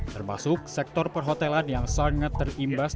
termasuk sektor perhotelan yang sangat terimbas